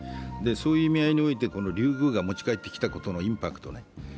そういう意味において、リュウグウが持ち帰ってきたことのインパクトね。